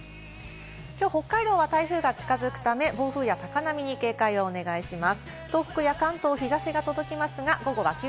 きょう、北海道は台風が近づくため暴風や高波に警戒をお願いします。